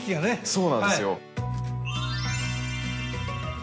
そうなんですよ。